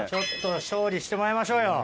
調理してもらいましょうよ。